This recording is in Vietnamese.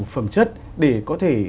phẩm chất để có thể